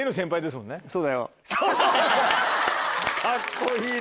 カッコいいな。